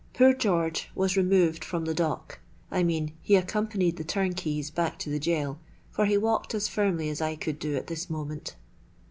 Poor George was removed from the dock:—I mean, he accompanied the turnkeys back to the gaol; for he walked as firmly as I could do at this moment.